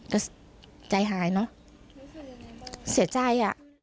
ก็ใจหายเนอะเสียใจอ่ะ